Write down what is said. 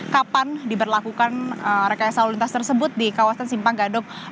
kapan diberlakukan rekayasa lalu lintas tersebut di kawasan simpang gadok